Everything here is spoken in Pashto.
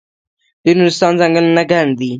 د نورستان ځنګلونه ګڼ دي